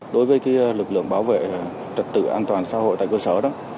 đối với lực lượng bảo vệ trật tự an toàn xã hội tại cơ sở đó